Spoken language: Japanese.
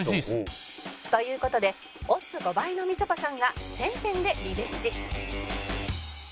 という事でオッズ５倍のみちょぱさんが１０００点でリベンジ